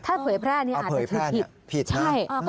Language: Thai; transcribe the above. ถ้าเผยแพร่นี่อาจจะผิด